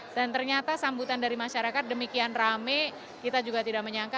dan ternyata sambutan dari masyarakat demikian rame kita juga tidak menyangka